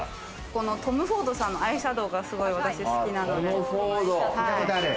このＴＯＭＦＯＲＤさんのアイシャドウが、すごい私好きなので。